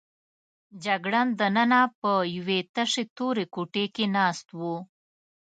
جګړن دننه په یوې تشې تورې کوټې کې ناست و.